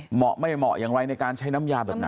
เหมาะไม่เหมาะอย่างไรในการใช้น้ำยาแบบไหน